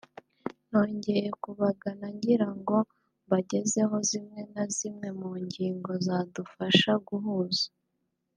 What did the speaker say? nongeye kubagana ngirango mbagezeho zimwe na zimwe mu ngingo zadufasha guhuza